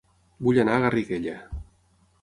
Vull anar a Garriguella